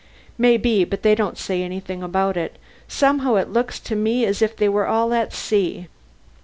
"May be, but they don't say anything about it. Somehow it looks to me as if they were all at sea."